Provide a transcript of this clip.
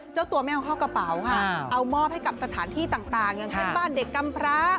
เจ้าตัวไม่เอาเข้ากระเป๋าค่ะเอามอบให้กับสถานที่ต่างอย่างเช่นบ้านเด็กกำพระ